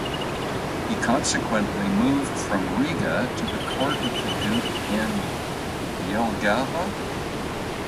He consequently moved from Riga to the court of the duke in Jelgava.